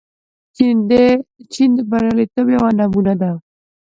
چین د بریالیتوب یوه نمونه ده.